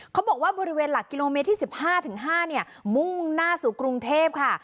เขาบอกว่าบริเวณหลักกิโลเมตรที่๑๕๕เนี่ยมุ่งหน้าสู่กรุงเทพค่ะ